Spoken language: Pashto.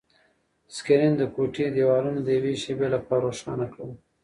سکرین د کوټې دیوالونه د یوې شېبې لپاره روښانه کړل.